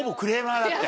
だって。